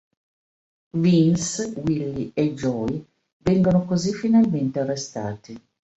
Vince, Willy e Joey vengono così finalmente arrestati.